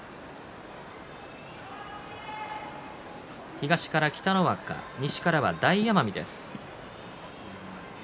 東から北の若西からは大奄美です。